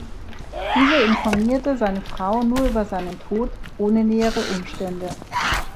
Diese informierte seine Frau nur über seinen Tod, ohne nähere Umstände.